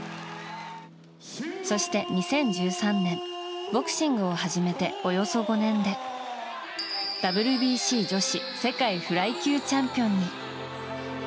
そして、２０１３年ボクシングを始めておよそ５年でＷＢＣ女子世界フライ級チャンピオンに。